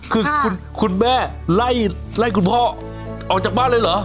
คือคุณแม่ไล่คุณพ่อออกจากบ้านเลยเหรอ